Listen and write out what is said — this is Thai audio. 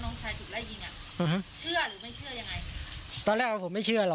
น้องชายถูกไล่ยิงอ่ะเชื่อหรือไม่เชื่อยังไง